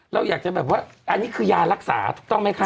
เราอยากจะแบบว่าอันนี้คือยารักษาถูกต้องไหมคะ